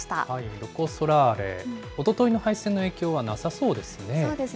ロコ・ソラーレ、おとといの敗戦の影響はなさそうですね。